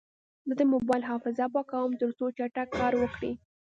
زه د موبایل حافظه پاکوم، ترڅو چټک کار وکړي.